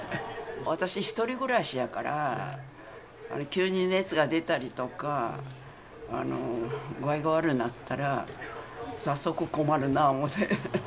私、１人暮らしやから、急に熱が出たりとか、具合が悪うなったら、早速困るな思って。